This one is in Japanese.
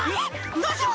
どうしよう。